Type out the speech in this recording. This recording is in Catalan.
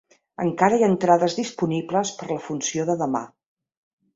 Encara hi ha entrades disponibles per a la funció de demà.